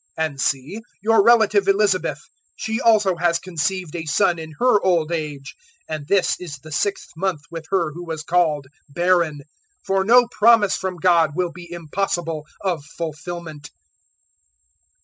001:036 And see, your relative Elizabeth she also has conceived a son in her old age; and this is the sixth month with her who was called barren. 001:037 For no promise from God will be impossible of fulfilment."